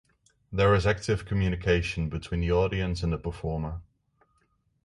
There is active communication between the audience and the performer.